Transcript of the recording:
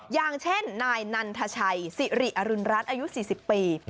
อย่างเช่นนายนันทชัยสิริอรุณรัฐอายุ๔๐ปี